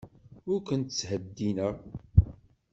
Ur kent-ttheddineɣ.